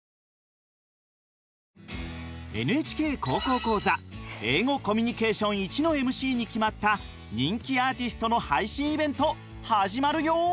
「ＮＨＫ高校講座英語コミュニケーションⅠ」のＭＣに決まった人気アーティストの配信イベント始まるよ！